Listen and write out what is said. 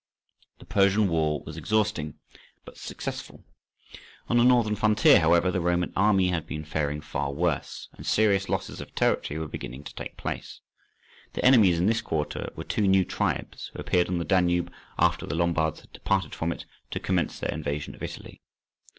The Persian war was exhausting, but successful: on the northern frontier, however, the Roman army had been faring far worse, and serious losses of territory were beginning to take place. The enemies in this quarter were two new tribes, who appeared on the Danube after the Lombards had departed from it to commence their invasion of Italy.